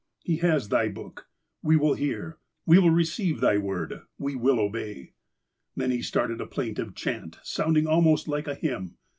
He has Thy Book. We will hear. We will receive Thy Word. We will obey.' ''Then he started a plaintive chant, sounding almost like a hymn.